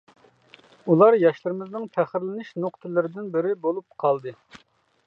ئۇلار ياشلىرىمىزنىڭ پەخىرلىنىش نۇقتىلىرىدىن بىرى بولۇپ قالدى.